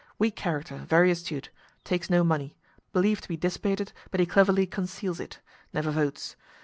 Weak character, very astute. Takes no money. Believed to be dissipated, but he cleverly conceals it. Never votes.